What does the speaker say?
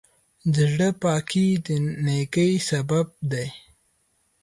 د زړۀ پاکي د نیکۍ سبب دی.